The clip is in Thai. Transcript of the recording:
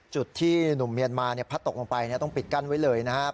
จุดที่หนุ่มเมียนมาพัดตกลงไปต้องปิดกั้นไว้เลยนะครับ